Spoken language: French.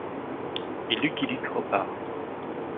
Et Lucky Luke repart.